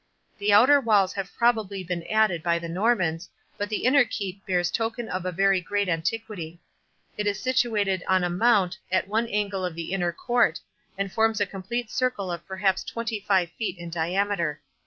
The outer walls have probably been added by the Normans, but the inner keep bears token of very great antiquity. It is situated on a mount at one angle of the inner court, and forms a complete circle of perhaps twenty five feet in diameter.